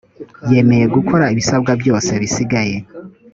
yemeye gukora ibisabwa byose bisigaye